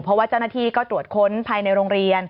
เพราะว่าเจ้าหน้าที่ก็ตรวจค้นภายในโรงเรียน